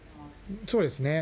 そうですね。